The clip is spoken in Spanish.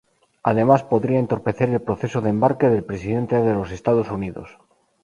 Además podrían entorpecer el proceso de embarque del presidente de los Estados Unidos.